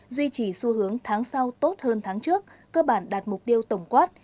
duy trì xu hướng tháng sau tốt hơn tháng trước cơ bản đạt mục tiêu tổng quát